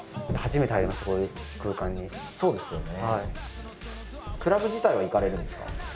そうですよね。